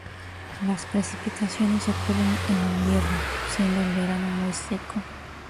Las precipitaciones ocurren en invierno, siendo el verano muy seco.